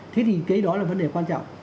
thế thì cái đó là vấn đề quan trọng